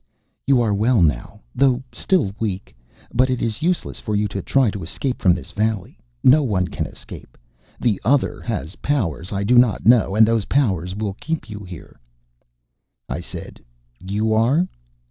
"You are well now, though still weak. But it is useless for you to try to escape from this valley. No one can escape. The Other has powers I do not know, and those powers will keep you here." I said, "You are